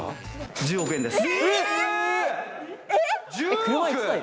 １０億円です。